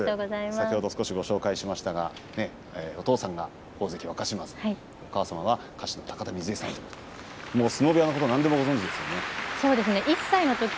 先ほども少しご紹介しましたがお父様は大関若嶋津お母様は歌手の高田みづえさん相撲部屋のことは何でもご存じですよね？